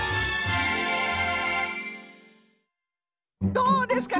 どうですか？